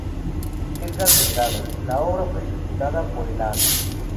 Edgar Delgado, la obra fue ejecutada por el Ar.